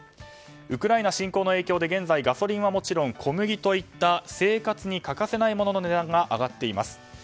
ウクライナ侵攻の影響で現在、ガソリンはもちろん小麦といった生活に欠かせないものの値段が上がっています。